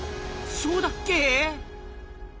そうだっけ？